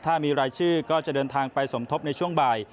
ถ้ามีรายชื่อก็จะเดินทางไปสมทบในช่วงบ่าย